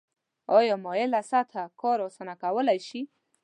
آیا مایله سطحه کار اسانه کولی شي؟